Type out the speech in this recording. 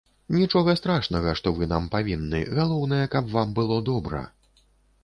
Нічога страшнага, што вы нам павінны, галоўнае, каб вам было добра!